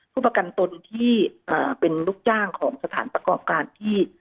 ผู้ประกันตนที่เป็นลูกจ้างของสถานประกอบการที่